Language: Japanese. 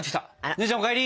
姉ちゃんお帰り！